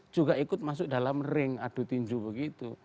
juga ikut masuk dalam ring adu tinju begitu